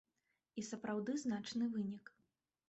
І сапраўды значны вынік.